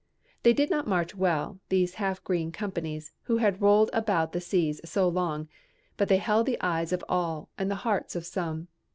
They did not march well, these half green companies who had rolled about the seas so long, but they held the eyes of all and the hearts of some.